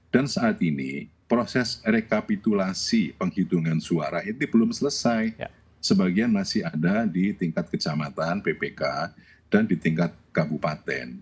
dan saat ini proses rekapitulasi penghitungan suara itu belum selesai sebagian masih ada di tingkat kecamatan ppk dan di tingkat kabupaten